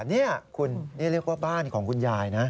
นี่คุณนี่เรียกว่าบ้านของคุณยายนะ